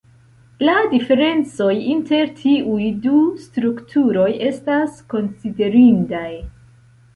La diferencoj inter tiuj du strukturoj estas konsiderindaj.